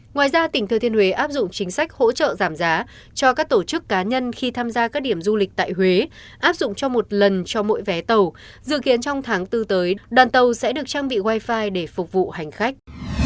ngoài ra tỉnh thừa thiên huế áp dụng chính sách hỗ trợ giảm giá cho các tổ chức cá nhân khi tham gia các điểm du lịch tại huế áp dụng cho một lần cho mỗi vé tàu dự kiến trong tháng bốn tới đoàn tàu sẽ được trang bị wifi để phục vụ hành khách